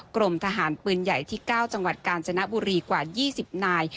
กรมทหารปืนใหญ่ที่๙จังหวัดกาญจนบุรีกว่า๒๐นาย